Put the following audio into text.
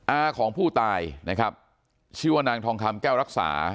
อาของผู้ตายนะครับชื่อว่านางทองคำแก้วรักษา